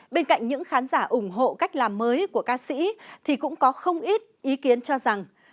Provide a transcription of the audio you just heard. bên cạnh những khán giả ủng hộ cách làm mới của ca sĩ thì cũng có không ít ý kiến cho rằng